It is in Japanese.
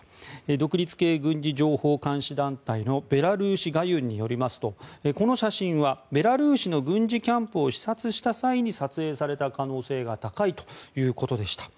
独立系軍事情報監視団体のベラルーシ・ガユンによりますとこの写真は、ベラルーシの軍事キャンプを視察した際に撮影された可能性が高いということでした。